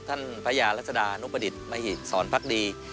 ท่านพระยารัศดานุปรดิตมหิสรพักดี